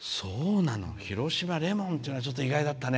広島、レモンっていうのは意外だったね。